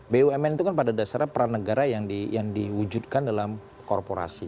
bumn itu kan pada dasarnya peran negara yang diwujudkan dalam korporasi